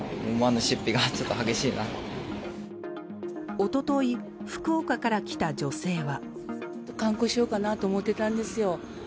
一昨日、福岡から来た女性は。